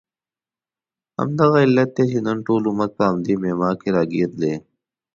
همدغه علت دی چې نن ټول امت په همدې معما کې راګیر دی.